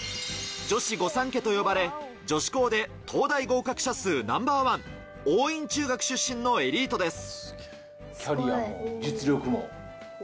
女子御三家と呼ばれ、女子高で東大合格者数ナンバーワン、桜蔭中学出身のエリートです。